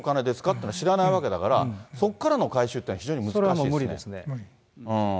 っていうのは知らないわけだから、そこからの回収っていうは非常に難しいですね。